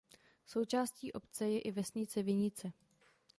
Součástí obce je i vesnice Vinice.